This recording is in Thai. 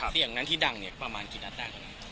เสียงนั้นที่ดังเนี่ยประมาณกี่นาที